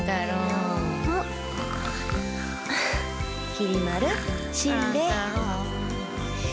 きり丸しんべヱ。